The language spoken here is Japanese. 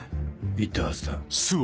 言ったはずだ。